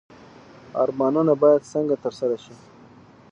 ارمانونه باید څنګه ترسره شي؟